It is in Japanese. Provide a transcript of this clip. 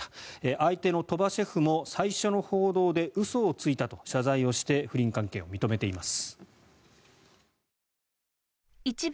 相手の鳥羽シェフも最初の報道で嘘をついたと謝罪をして不倫関係を認めています。